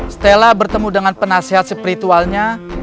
stella bertemu dengan penasehat spiritualnya